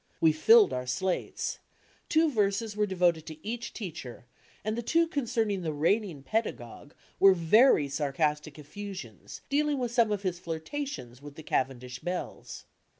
We filled our slates; two verses were devoted to each teacher, and the two concerning the reigning peda gogue were very sarcastic effusions dealing with some of his flirtations with the Cavendish belles.